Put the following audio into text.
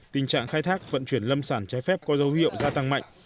tình trạng khai thác vận chuyển lâm sản trái phép có dấu hiệu gia tăng mạnh